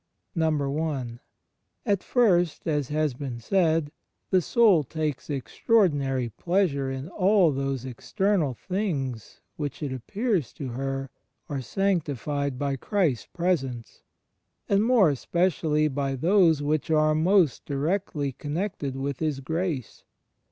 I. At first, as has been said, the soul takes extraordi nary pleasure in all those external things which, it appears to her, are sanctified by Christ's Presence, and more especially by those which are most directly con nected with His grace.